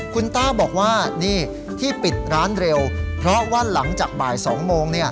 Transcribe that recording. คุณต้าบอกว่านี่ที่ปิดร้านเร็วเพราะว่าหลังจากบ่าย๒โมง